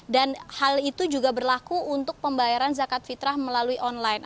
dan hal itu juga berlaku untuk pembayaran zakat fitrah melalui online